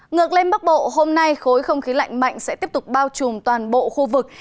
ngược lên bắc bộ hôm nay khối không khí lạnh mạnh sẽ tiếp tục bao trùm toàn bộ khu vực